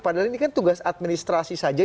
padahal ini kan tugas administrasi saja